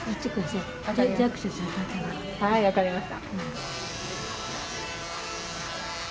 はい分かりました。